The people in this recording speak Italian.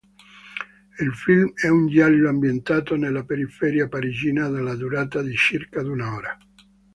Il film è un giallo ambientato nella periferia parigina della durata di circa un'ora.